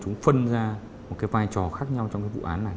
chúng phân ra một cái vai trò khác nhau trong cái vụ án này